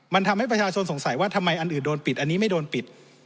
มันทำให้ประชาชนสงสัยว่าทำไมอันอื่นโดนปิดอันนี้ไม่โดนปิด